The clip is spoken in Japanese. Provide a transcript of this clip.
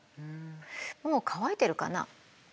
もう乾いてるかな？